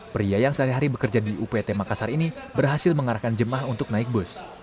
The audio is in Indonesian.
pria yang sehari hari bekerja di upt makassar ini berhasil mengarahkan jemaah untuk naik bus